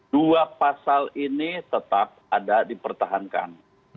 dua pasal ini tetap ada dipertahankan